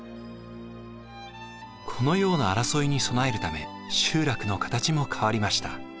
このような争いに備えるため集落の形も変わりました。